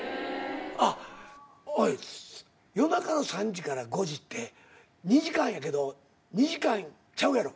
おい夜中の３時から５時って２時間やけど２時間ちゃうやろ？